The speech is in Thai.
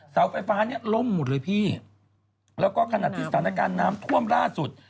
เสาไฟฟ้าเนี่ยล่มหมดเลยพี่แล้วก็ขนาดที่สถานการณ์น้ำท่วมล่าสุด